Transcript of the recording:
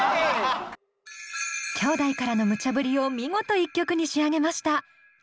兄弟からのムチャぶりを見事一曲に仕上げました。